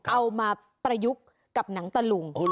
เอามาประยุกต์กับหนังตะลุง